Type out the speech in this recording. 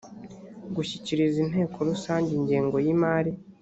gushyikiriza inteko rusange ingengo y imari